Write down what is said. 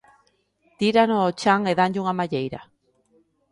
Tírano ao chan e danlle unha malleira.